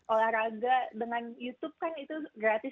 olahraga dengan youtube kan itu gratis